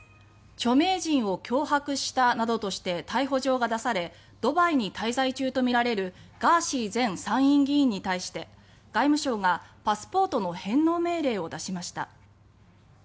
著名人を脅迫したなどとして逮捕状が出され国外に滞在中のガーシー前参院議員に対して外務省がパスポートの返納命令を出しました。